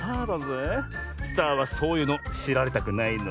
スターはそういうのしられたくないのさ！